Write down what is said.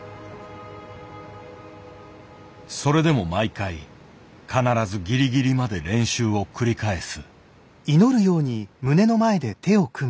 それでも毎回必ずギリギリまで練習を繰り返す。